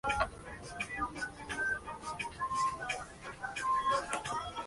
La princesa acabará enamorándose de España y de su vigilante.